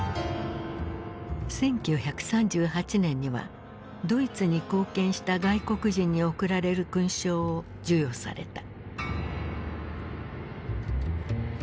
１９３８年にはドイツに貢献した外国人に贈られる勲章を授与された。